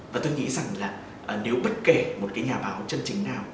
và tôi nghĩ rằng là nếu bất kể một nhà báo chương trình nào